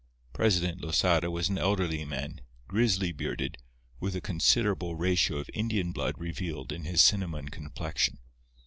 President Losada was an elderly man, grizzly bearded, with a considerable ratio of Indian blood revealed in his cinnamon complexion.